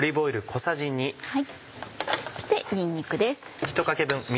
そしてにんにくです。